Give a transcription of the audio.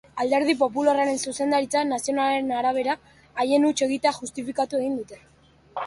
Alderdi popularraren zuzendaritza nazionalaren arabera, haien huts egitea justifikatu egin dute.